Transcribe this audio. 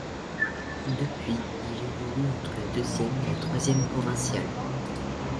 Depuis, il évolue entre la deuxième et la troisième provinciale.